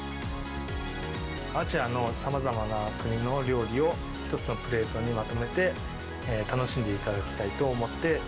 アジアのさまざまな国の料理を、一つのプレートにまとめて楽しんでいただきたいと思って。